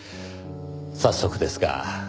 早速ですが。